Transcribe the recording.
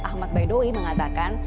ahmad baidowi mengatakan